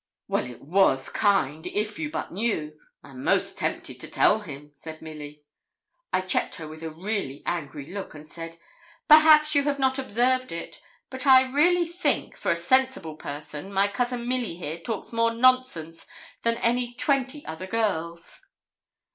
'Well, it was kind, if you but knew. I'm 'most tempted to tell him,' said Milly. I checked her with a really angry look, and said, 'Perhaps you have not observed it; but I really think, for a sensible person, my cousin Milly here talks more nonsense than any twenty other girls.'